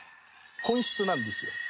本質なんですよ